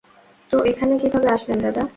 তো, এখানে কিভাবে আসলেন, দাদা?